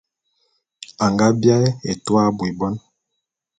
A nga biaé etua abui bon.